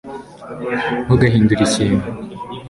ntugahindure ikintu